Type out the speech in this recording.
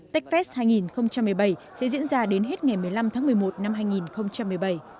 techfest hai nghìn một mươi bảy sẽ diễn ra đến hết ngày một mươi năm tháng một mươi một năm hai nghìn một mươi bảy